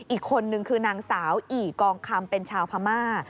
อีกคนนึงคือนางสาวอีกองคำเป็นชาวพม่า